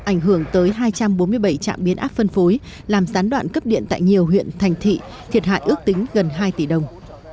ảnh hưởng tới hai trăm bốn mươi bảy trạm biến áp phân phối làm gián đoạn cấp điện tại nhiều huyện thành thị thiệt hại ước tính gần hai tỷ đồng